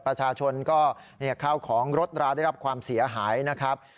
ประชาชนก็ข้าวของรถราได้รับความเสียหายนะครับ